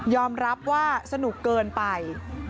รับว่าสนุกเกินไป